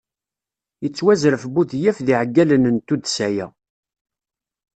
Yettwazref Budyaf d iɛeggalen n tuddsa-a.